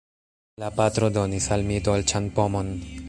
La patro donis al mi dolĉan pomon.